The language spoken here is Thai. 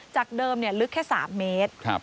จากเดิมลึกแค่๓เมตร